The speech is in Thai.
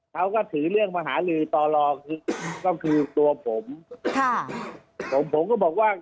เขาก็ถือเรื่องมหาลือต่อรอคือตัวผมค่ะผมผมก็บอกว่า